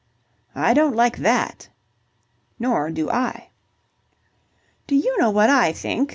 "I don't like that." "Nor do I." "Do you know what I think?"